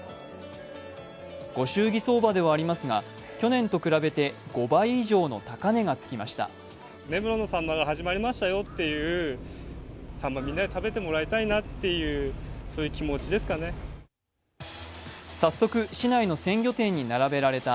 ご祝儀相場ではありますが去年と比べて５倍以上の高値がつきました早速、市内の鮮魚店に並べられた